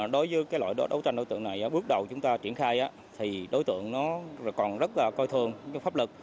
đối với loại đấu tranh đối tượng này bước đầu chúng ta triển khai thì đối tượng nó còn rất là coi thường pháp lực